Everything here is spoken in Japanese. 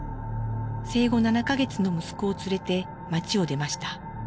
生後７か月の息子を連れて街を出ました。